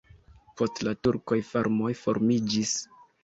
Post la turkoj farmoj formiĝis.